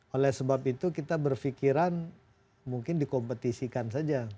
oleh sebab itu kita berpikiran mungkin dikompetisikan saja